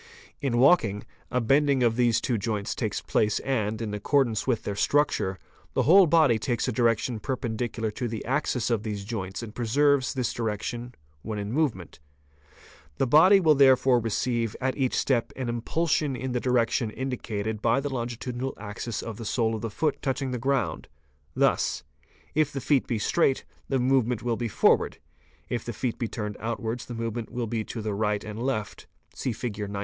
In walking, a bending of these two joints takes place and, in accordance with their structure, the whole body takes a direction perpendicular to the axis of these joints and preserves this direction when in movement. The body will therefore receive at each step an impulsion in the direction indicated by the longitudinal axis of the sole of the foot touching the ground, thus: if the feet be straight, the movement will be forward, if the feet be turned Fig. 95. outwards the movement will be to the right and the left; see Fig. 95.